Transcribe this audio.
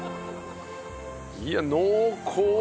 いや濃厚ね。